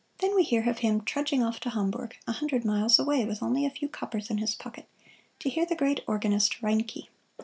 Then we hear of him trudging off to Hamburg, a hundred miles away, with only a few coppers in his pocket, to hear the great organist Reinke.